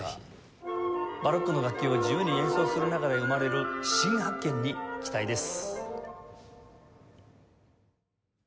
バロックの楽器を自由に演奏する中で生まれるシン発見に期待です。